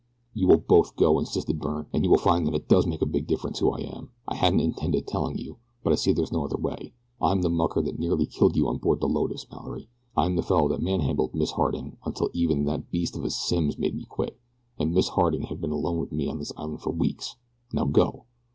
"You will both go," insisted Byrne; "and you will find that it does make a big difference who I am. I hadn't intended telling you, but I see there is no other way. I'm the mucker that nearly killed you on board the Lotus, Mallory. I'm the fellow that man handled Miss Harding until even that beast of a Simms made me quit, and Miss Harding has been alone with me on this island for weeks now go!"